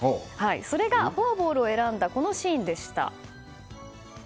それがフォアボールを選んだこのシーンでした。